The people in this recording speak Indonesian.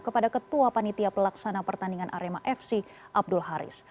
kepada ketua panitia pelaksana pertandingan arema fc abdul haris